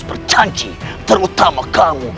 bercanji terutama kamu